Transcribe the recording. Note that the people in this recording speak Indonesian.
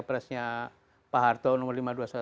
presnya pak harto nomor lima ratus dua puluh satu